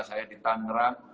saya di tangerang